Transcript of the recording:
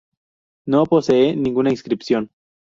No posee ninguna inscripción.